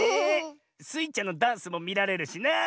スイちゃんのダンスもみられるしなあ。